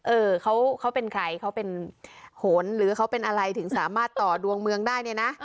เออเขาเป็นใครเขาเป็นโหนหรือเขาเป็นอะไรถึงสามารถต่อดวงเมืองได้เนี่ยนะ